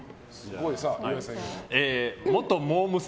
元モー娘。